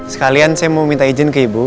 sekalian saya mau minta izin ke ibu